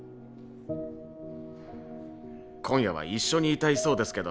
今夜は一緒にいたいそうですけど。